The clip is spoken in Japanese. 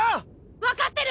わかってる！